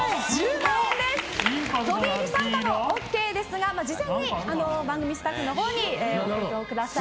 飛び入り参加もＯＫですが事前に番組スタッフのほうに送ってください。